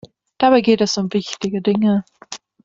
Dabei geht es um wichtige Dinge.